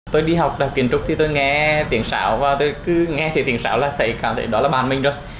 tôi đi học đạo kiến trúc thì tôi nghe tiếng sáo và tôi cứ nghe thấy tiếng sáo là thấy cảm thấy đó là bạn mình rồi